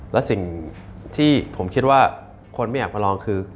และสิ่งที่ผมคิดว่าคนไม่อยากมาลองคือ